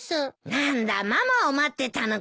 何だママを待ってたのか。